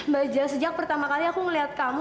bajak sejak pertama kali aku ngeliat kamu